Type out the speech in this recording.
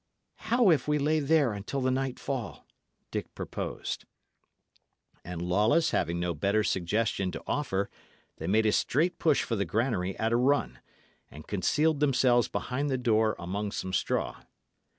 "How if we lay there until the night fall?" Dick proposed. And Lawless having no better suggestion to offer, they made a straight push for the granary at a run, and concealed themselves behind the door among some straw.